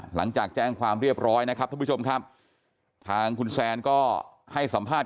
หลังจากแจ้งความเรียบร้อยนะครับท่านผู้ชมครับทางคุณแซนก็ให้สัมภาษณ์